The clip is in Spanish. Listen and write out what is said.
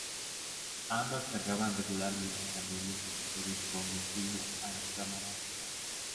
Ambas cargaban regularmente camiones de mujeres con destino a las cámaras de gas.